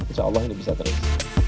insya allah ini bisa terus